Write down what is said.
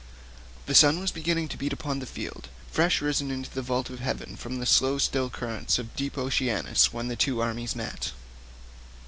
The sun was beginning to beat upon the fields, fresh risen into the vault of heaven from the slow still currents of deep Oceanus, when the two armies met.